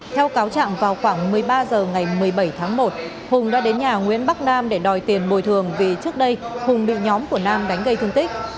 theo cáo trạng vào khoảng một mươi ba h ngày một mươi bảy tháng một hùng đã đến nhà nguyễn bắc nam để đòi tiền bồi thường vì trước đây hùng bị nhóm của nam đánh gây thương tích